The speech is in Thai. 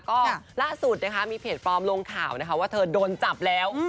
ก็ล่าสุดมีเพจฟอร์มลงข่าวว่าเธอโดนจับแล้ว